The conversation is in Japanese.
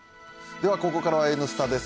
ではここからは「Ｎスタ」です。